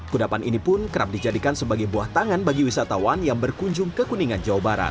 kudapan ini pun kerap dijadikan sebagai buah tangan bagi wisatawan yang berkunjung ke kuningan jawa barat